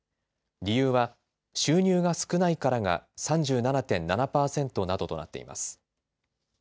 理由は収入が少ないからが３７．７％などとなっています。